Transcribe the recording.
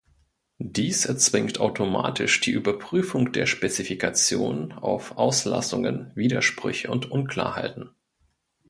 Dies erzwingt automatisch die Überprüfung der Spezifikation auf Auslassungen, Widersprüche und Unklarheiten.